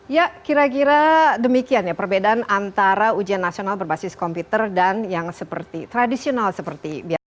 ya kira kira demikian ya perbedaan antara ujian nasional berbasis komputer dan yang seperti tradisional seperti biasa